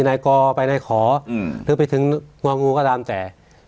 นายกอไปในขอหรือไปถึงงองูก็ตามแต่